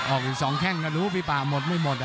ออกอีกสองแข่งนรุพี่ป่าหมดไม่หมดอ่ะ